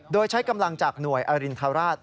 โดยใช้กำลังจากหน่วยอรินทราช